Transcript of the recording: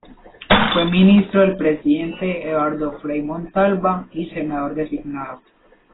Fue ministro del presidente Eduardo Frei Montalva, y senador designado.